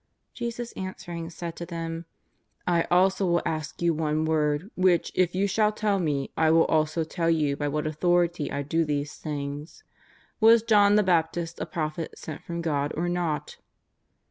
Jesus answering said to them :'^ I also will ask you one word, which, if you shall tell Me, I will also tell you by what authority I do these things. '^ Was John the Baptist a prophet sent from God or not?"